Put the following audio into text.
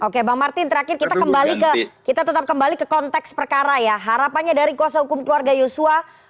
oke bang martin terakhir kita kembali ke konteks perkara ya harapannya dari kuasa hukum keluarga yusua